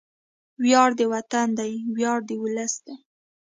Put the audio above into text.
وياړ د وطن دی، ویاړ د ولس دی